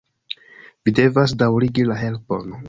Vi devas daŭrigi la helpon!